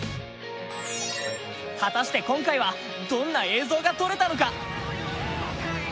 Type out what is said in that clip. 果たして今回はどんな映像が撮れたのか。